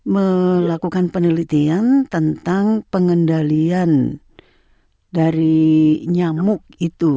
melakukan penelitian tentang pengendalian dari nyamuk itu